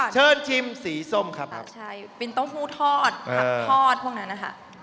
เชิญชิมสีส้มครับใช่เป็นเต้าหู้ทอดผักทอดพวกนั้นนะคะ